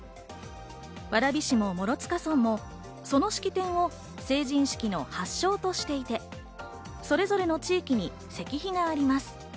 蕨市も諸塚村も、その式典を成人式の発祥としていて、それぞれの地域に石碑があります。